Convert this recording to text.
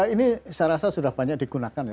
ini saya rasa sudah banyak digunakan ya